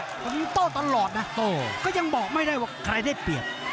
ต้นโต๊ะตลอดนะก็ยังบอกไม่ได้ว่าใครได้เปลี่ยน